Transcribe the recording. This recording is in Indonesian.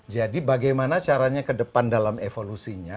jadi bagaimana caranya ke depan dalam evolusinya